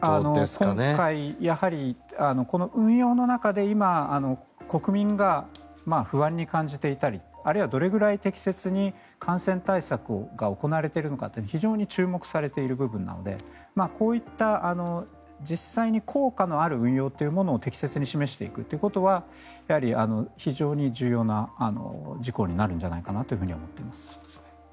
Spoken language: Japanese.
今回、やはりこの運用の中で今、国民が不安に感じていたりあるいは、どれくらい適切に感染対策が行われているかって非常に注目されている部分なのでこういった実際に効果のある運用というものを適切に示していくということは非常に重要な事項になるんじゃないかと思っています。